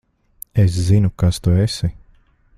Es zinu, kas tu esi.